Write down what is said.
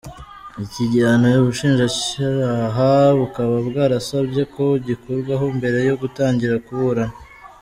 Iki gihano ubushinjacyaha bukaba bwarasabye ko gikurwaho mbere yo gutangira kuburana.